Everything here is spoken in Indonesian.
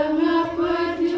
seterusnya ujian sedikit